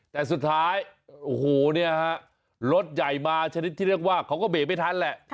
แต่สุดท้ายโอ้โหเนี่ยฮะรถใหญ่มาชนิดที่เรียกว่าเขาก็เบรกไม่ทันแหละ